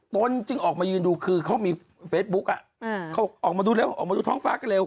ตนจึงออกมายืนดูคือเขามีเฟซบุ๊คออกมาดูท้องฟ้ากันเร็ว